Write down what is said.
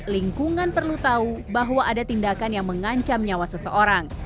lingkungan perlu tahu bahwa ada tindakan yang mengancam nyawa seseorang